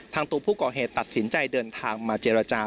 ตัวผู้ก่อเหตุตัดสินใจเดินทางมาเจรจา